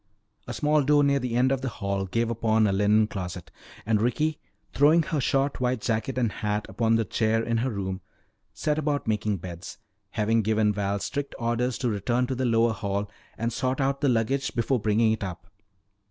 A small door near the end of the hall gave upon a linen closet. And Ricky, throwing her short white jacket and hat upon the chair in her room, set about making beds, having given Val strict orders to return to the lower hall and sort out the luggage before bringing it up.